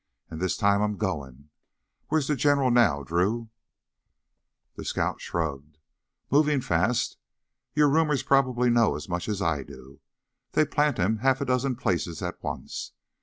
And this time I'm goin'! Where's the General now, Drew?" The scout shrugged. "Movin' fast. Your rumors probably know as much as I do. They plant him half a dozen places at once.